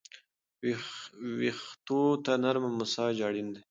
ویښتو ته نرمه مساج اړین دی.